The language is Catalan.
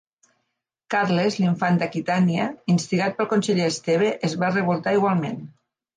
Carles l'Infant d'Aquitània, instigat pel conseller Esteve es va revoltar igualment.